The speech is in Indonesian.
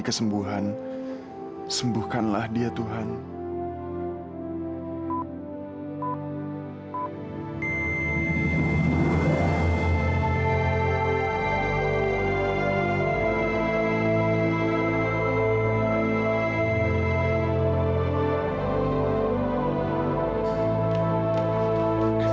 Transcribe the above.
kesembuhan sembuhkanlah dia tuhan hai hai